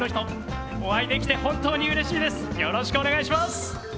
よろしくお願いします。